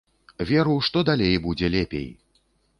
Веру, што далей будзе лепей!